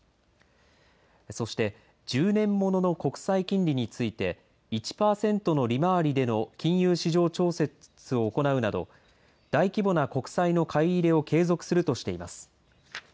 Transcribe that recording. そして、１０年ものの国債金利について、１％の利回りでの金融市場調節を行うなど、大規模な国債の買い入れを継続するとしています。